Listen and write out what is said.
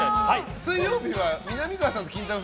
水曜日はみなみかわさんとキンタロー。